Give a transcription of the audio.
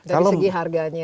dari segi harganya